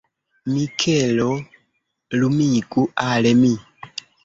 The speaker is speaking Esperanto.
Mikelo, lumigu al mi.